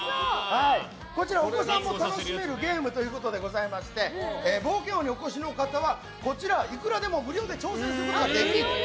こちらお子さんも楽しめるゲームということでございまして冒険王にお越しの方はこちらいくらでも無料で挑戦することができる。